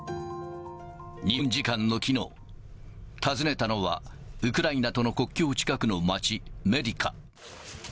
日本時間のきのう、訪ねたのは、ウクライナとの国境近くの町、メディカ。